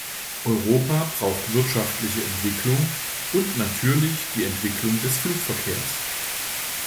Europa braucht wirtschaftliche Entwicklung und natürlich die Entwicklung des Flugverkehrs.